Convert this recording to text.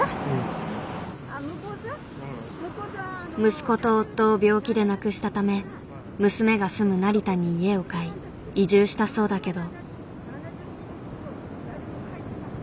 息子と夫を病気で亡くしたため娘が住む成田に家を買い移住したそうだけど。